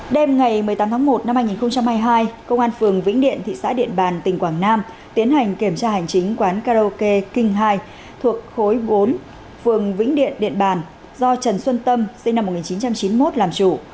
đêm ngày một mươi tám tháng một năm hai nghìn hai mươi hai công an phường vĩnh điện thị xã điện bàn tỉnh quảng nam tiến hành kiểm tra hành chính quán karaoke kinh hai thuộc khối bốn phường vĩnh điện điện bàn do trần xuân tâm sinh năm một nghìn chín trăm chín mươi một làm chủ